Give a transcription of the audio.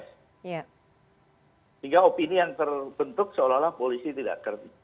sehingga opini yang terbentuk seolah olah polisi tidak